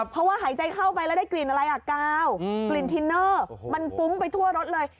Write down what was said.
เพราะว่าหายใจเข้าไปแล้วได้กลิ่นอะไรอ่ะกาวกลิ่นทินเนอร์มันฟุ้งไปทั่วรถเลย